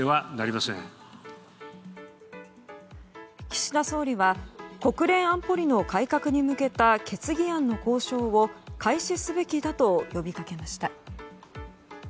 岸田総理は国連安保理の改革に向けた決議案の交渉を開始すべきだと呼びかけました。